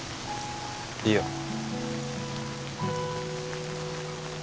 いいよ。